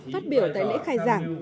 phát biểu tại lễ khai giảng